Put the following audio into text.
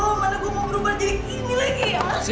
aduh mana gue mau berubah jadi gini lagi ya